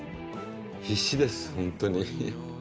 必死です本当に。